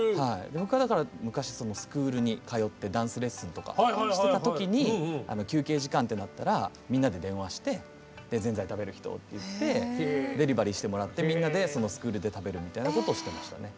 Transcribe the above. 僕はだから昔スクールに通ってダンスレッスンとかしてた時に休憩時間ってなったらみんなで電話して「ぜんざい食べる人」って言ってデリバリーしてもらってみんなでそのスクールで食べるみたいなことをしてましたね。